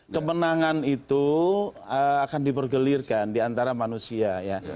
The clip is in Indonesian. kemenangan itu akan dipergelirkan diantara manusia ya